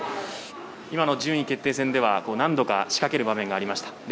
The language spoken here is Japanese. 今の順位決定戦では何度か仕掛ける場面がありました